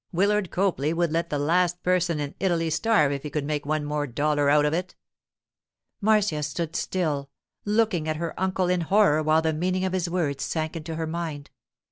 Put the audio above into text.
Willard Copley would let the last person in Italy starve if he could make one more dollar out of it!' Marcia stood still, looking at her uncle in horror while the meaning of his words sank into her mind.